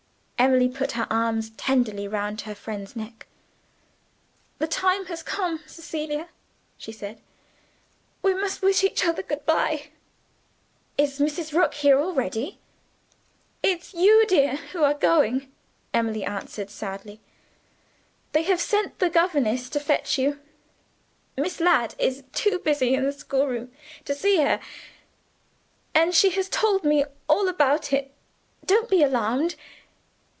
Emily put her arms tenderly round her friend's neck. "The time has come, Cecilia," she said. "We must wish each other good by." "Is Mrs. Rook here already?" "It's you, dear, who are going," Emily answered sadly. "They have sent the governess to fetch you. Miss Ladd is too busy in the schoolroom to see her and she has told me all about it. Don't be alarmed.